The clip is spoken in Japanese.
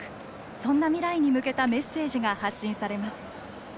そんな未来に向けたメッセージが発信されます。